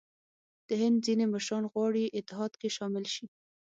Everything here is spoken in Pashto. د هند ځیني مشران غواړي اتحاد کې شامل شي.